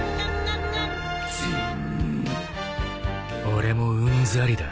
俺もうんざりだ。